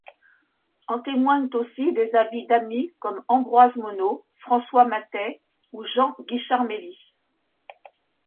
En témoignent aussi des avis d'amis comme Ambroise Monod, François Mathey, ou Jean Guichard-Meili.